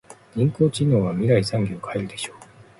人工知能は未来の産業を変えるでしょう。